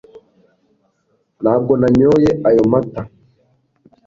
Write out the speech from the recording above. ntabwo nanyoye ayo mata